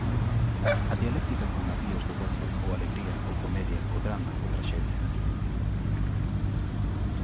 A dialéctica con avíos de gozo ou alegría ou comedia ou drama ou traxedia.